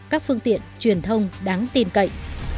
các phương tiện truyền thông đáng tin tức